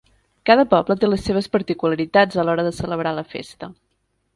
Cada poble té les seves particularitats a l'hora de celebrar la festa.